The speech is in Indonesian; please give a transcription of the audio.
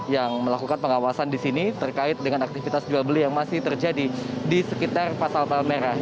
yang melakukan pengawasan di sini terkait dengan aktivitas jual beli yang masih terjadi di sekitar pasal palmerah